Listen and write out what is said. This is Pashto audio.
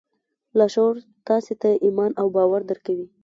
لاشعور تاسې ته ایمان او باور درکوي